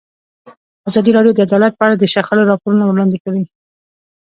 ازادي راډیو د عدالت په اړه د شخړو راپورونه وړاندې کړي.